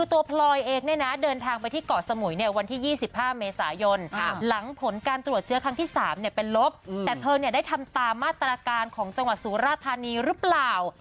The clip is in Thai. ตัวพลอยเองเนี่ยนะเดินทางไปที่เกาะสมุยวันที่๒๕เมษายนหลังผลการตรวจเชื้อครั้งที่๓เป็นลบแต่เธอได้ทำตามมาตรการของจังหวัดสุราธานีหรือเปล่า